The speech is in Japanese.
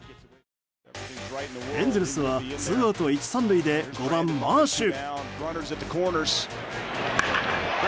エンゼルスはツーアウト１、３塁で５番マーシュ。